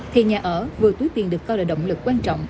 thì nhà ở vừa túi tiền được coi là động lực quan trọng